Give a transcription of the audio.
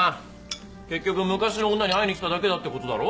結局昔の女に会いに来ただけだってことだろ？